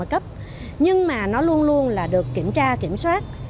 cấp nhưng mà nó luôn luôn là được kiểm tra kiểm soát